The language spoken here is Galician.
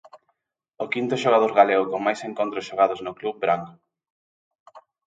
O quinto xogador galego con máis encontros xogados no club branco.